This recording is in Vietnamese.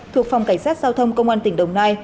thuộc phòng cảnh sát giao thông công an tỉnh đồng nai